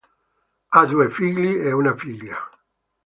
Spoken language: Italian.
Ha due figli e una figlia.